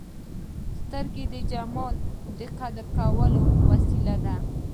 سترګې د جمال د قدر کولو وسیله ده